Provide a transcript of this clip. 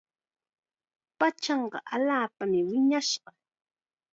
Pachanqa allaapam wiñashqa.